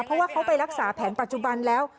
เพราะว่าเขาไปรักษาแผนปัจจุบันแล้ว